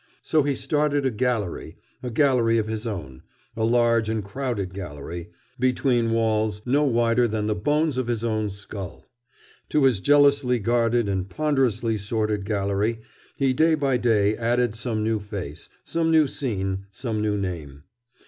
So he started a gallery, a gallery of his own, a large and crowded gallery between walls no wider than the bones of his own skull. To this jealously guarded and ponderously sorted gallery he day by day added some new face, some new scene, some new name.